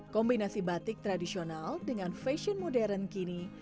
kombinasi batik tradisional dengan fashion modern kini